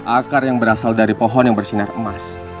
akar yang berasal dari pohon yang bersinar emas